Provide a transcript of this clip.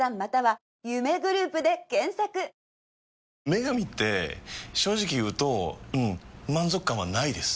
「麺神」って正直言うとうん満足感はないです。